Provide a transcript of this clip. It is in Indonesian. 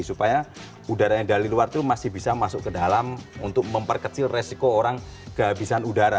supaya udara yang dari luar itu masih bisa masuk ke dalam untuk memperkecil resiko orang kehabisan udara